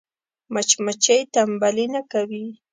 مچمچۍ تنبلي نه کوي